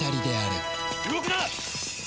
動くな！